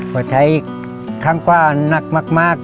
ถ้าใช้ข้างกว้านักมาก